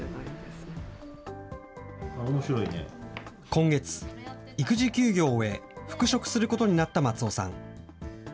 今月、育児休業を終え、復職することになった松尾さん。